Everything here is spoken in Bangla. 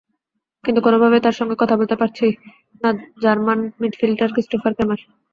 কিন্তু কোনোভাবেই তার সঙ্গে কথা বলতে পারছি নাজার্মান মিডফিল্ডার ক্রিস্টোফার ক্রেমার।